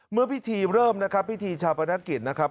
เมื่อพิธีเริ่มนะครับพิธีชาปนกิจนะครับ